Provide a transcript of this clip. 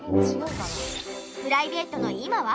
プライベートの今は？